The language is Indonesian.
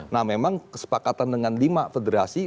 nah memang kesepakatan dengan lima federasi